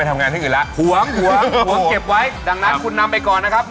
๗มันเยอะไม่ได้แล้วไม่ได้